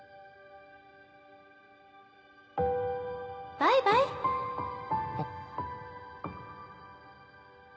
バイバイあっ。